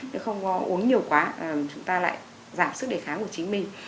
nếu không có uống nhiều quá chúng ta lại giảm sức đề kháng của chính mình